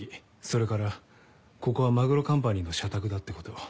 それからここは真黒カンパニーの社宅だってこと。